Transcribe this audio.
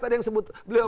tadi yang sebut beliau pun